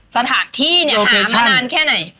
สถานที่หามานานแค่ไหน